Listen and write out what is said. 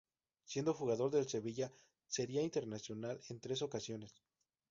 Siendo jugador del Sevilla sería internacional en tres ocasiones.